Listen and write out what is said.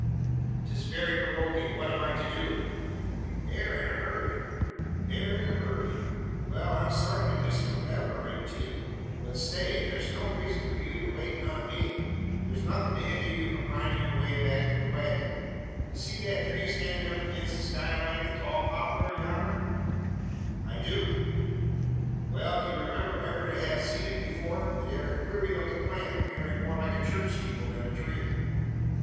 "'Tis very provoking! What am I to do?" "You air in a hurry? Wal I'm sorry to discommerdate ye. But stay! Thur's no reezun for yur waitin' on me. Thur's nuthin' to hinder ye from findin' yur way to the waggon. Ye see that tree stannin' up agin the sky line the tall poplar yonner?" "I do." "Wal; do you remember ever to hev seed it afore? It air a queery lookin' plant, appearin' more like a church steeple than a tree."